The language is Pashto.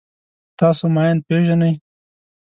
تاسو ماین پېژنئ.